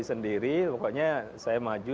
sendiri pokoknya saya maju